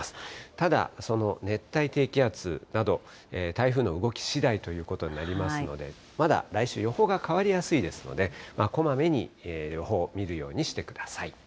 ただ、その熱帯低気圧など、台風の動きしだいということになりますので、まだ来週、予報が変わりやすいですので、こまめに予報を見るようにしてください。